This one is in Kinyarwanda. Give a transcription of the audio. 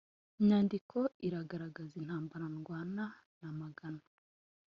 nyandiko iragaragaza intambara ndwana namagana